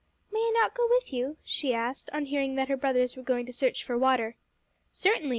"May I not go with you?" she asked, on hearing that her brothers were going to search for water. "Certainly.